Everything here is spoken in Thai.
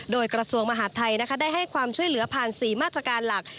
โดยกระทรวงมหาดไทยได้ให้ความช่วยเหลือผ่าน๔มาตรการหลัก